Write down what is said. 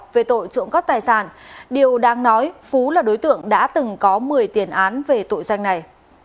về tội trộm cắp tài sản điều đáng nói phú là đối tượng đã từng có một mươi tiền án về tội danh này